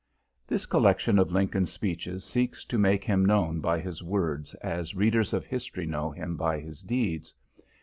This collection of Lincoln's speeches seeks to make him known by his words as readers of history know him by his deeds.